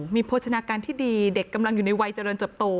มีโภชนาการที่ดีเด็กกำลังอยู่ในวัยเจริญเติบโต